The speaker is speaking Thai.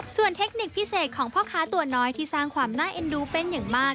ส่วนเทคนิคพิเศษของพ่อค้าตัวน้อยที่สร้างความน่าเอ็นดูเป็นอย่างมาก